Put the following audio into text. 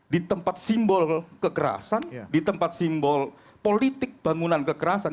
di tempat simbol kekerasan di tempat simbol politik bangunan kekerasan